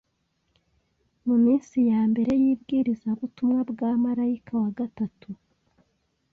Mu minsi ya mbere y’ibwirizabutumwa bwa marayika wa gatatu,